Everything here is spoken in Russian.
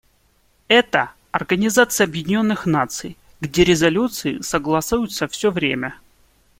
Это — Организация Объединенных Наций, где резолюции согласуются все время.